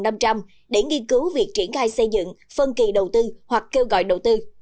để nghiên cứu việc triển khai xây dựng phân kỳ đầu tư hoặc kêu gọi đầu tư